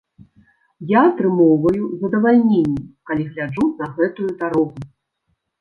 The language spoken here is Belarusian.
Я атрымоўваю задавальненне, калі гляджу на гэтую дарогу!